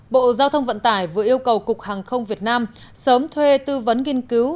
bộ giao thông vận tải vừa yêu cầu cục hàng không việt nam sớm thuê tư vấn nghiên cứu